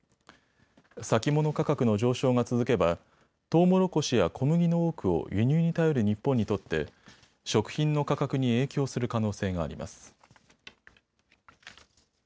先物価格の上昇が続けばトウモロコシや小麦の多くを輸入に頼る日本にとって食品の価格に影響する可能性があります。